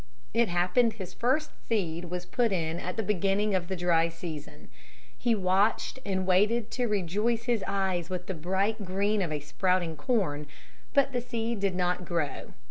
It happened his first seed was put in at the beginning of the dry season. He watched and waited to rejoice his eyes with the bright green of sprouting corn, but the seed did not grow.